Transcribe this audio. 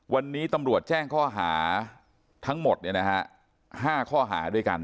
วันนี้ตำรวจแจ้งข้อหาทั้งหมด๕ข้อหาด้วยกัน